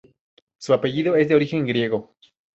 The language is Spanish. Su apellido es de origen griego.